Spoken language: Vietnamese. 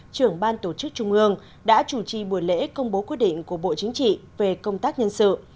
trưởng ban tổ chức trung ương đã chủ trì buổi lễ công bố quyết định của bộ chính trị về công tác nhân sự